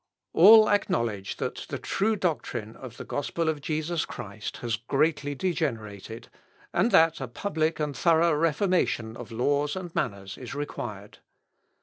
All acknowledge that the true doctrine of the gospel of Jesus Christ has greatly degenerated, and that a public and thorough reformation of laws and manners is required.